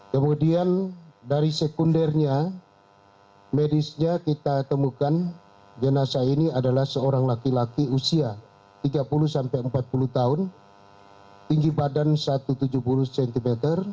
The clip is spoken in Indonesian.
kemudian dari sekundernya medisnya kita temukan jenazah ini adalah seorang laki laki usia tiga puluh sampai empat puluh tahun tinggi badan satu ratus tujuh puluh cm